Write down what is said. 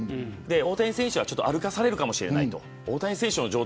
大谷選手は歩かされるかもしれない。